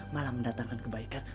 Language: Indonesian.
malah mendatangkan kebaikan